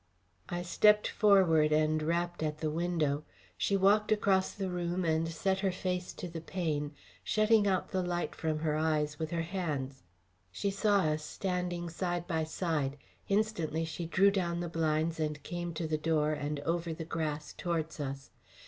I stepped forward and rapped at the window. She walked across the room and set her face to the pane, shutting out the light from her eyes with her hands. She saw us standing side by side. Instantly she drew down the blinds and came to the door, and over the grass towards us.